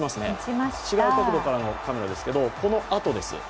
違う角度からのカメラですが、このあとです。